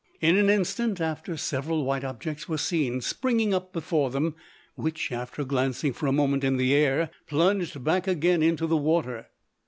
In an instant after, several white objects were seen springing up before them, which, after glancing for a moment in the air, plunged back again into the water.